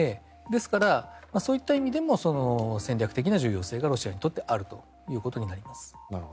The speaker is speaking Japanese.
ですから、そういった意味も戦略的な重要性がロシアにとってあるということになります。